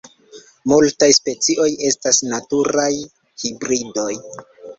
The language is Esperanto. Multaj specioj estas naturaj hibridoj.